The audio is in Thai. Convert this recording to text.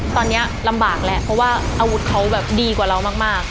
ตอนนี้ลำบากแล้วเพราะว่าอาวุธเขาแบบดีกว่าเรามาก